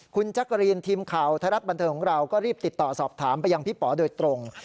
คุณแจ๊กกะรีนทีมข่าวไทยรัฐบันเทิงของเราก็รีบติดต่อสอบถามไปยังพี่ป๋อโดยตรง